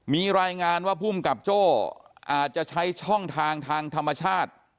มีรายงานว่าภูมิกับโจ้อาจจะใช้ช่องทางทางธรรมชาติ